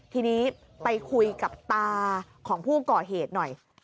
ทีนี้ไปคุยกับตาของผู้ก่อเหตุหน่อย